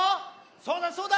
そうだそうだ！